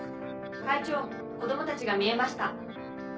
会長子供たちがみえました。